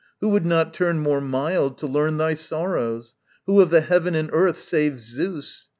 Who would not turn more mild to learn Thy sorrows? who of the heaven and earth Save Zeus?